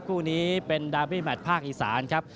คู่นี้เป็นดาร์บี้แมทภาคอีสานครับ